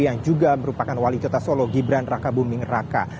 yang juga merupakan wali kota solo gibran raka buming raka